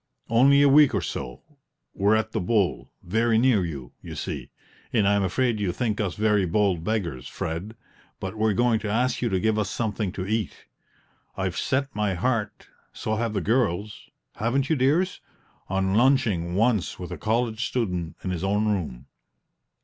"Only a week or so; we're at the 'Bull,' very near you, you see; and I'm afraid you think us very bold beggars, Fred, but we're going to ask you to give us something to eat. I've set my heart, so have the girls (haven't you, dears?), on lunching once with a college student in his own room."